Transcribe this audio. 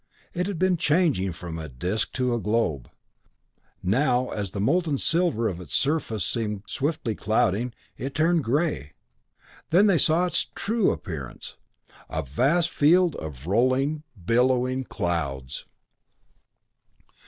It had changed from a disc to a globe, and now, as the molten silver of its surface seemed swiftly clouding, it turned grey; then they saw its true appearance, a vast field of rolling, billowing clouds!